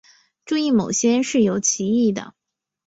注意某些是有歧义的。